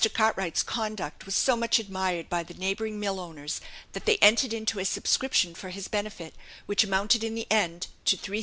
Cartwright's conduct was so much admired by the neighbouring mill owners that they entered into a subscription for his benefit which amounted in the end to 3,000_l_.